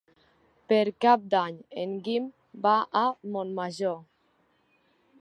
Per Cap d'Any en Guim va a Montmajor.